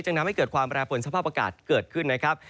ทำให้เกิดความแปรปวนสภาพอากาศเกิดขึ้นนะครับ